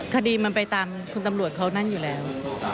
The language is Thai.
คดีมันไปตามคุณตำรวจเขานั่นอยู่แล้ว